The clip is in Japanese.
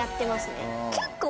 結構。